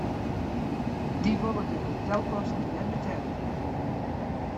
Dy wolle de hotelkosten net betelje.